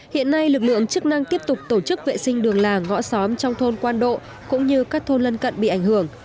hiện nay lực lượng chức năng tiếp tục tổ chức vệ sinh đường làng ngõ xóm trong thôn quan độ cũng như các thôn lân cận bị ảnh hưởng